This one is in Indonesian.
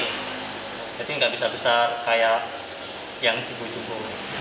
jangan terlalu kecil jadi tidak bisa besar seperti yang jubu jubu